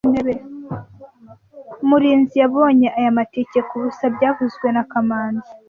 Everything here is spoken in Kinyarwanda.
Murinzi yabonye aya matike kubusa byavuzwe na kamanzi